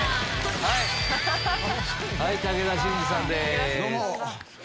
はい武田真治さんです。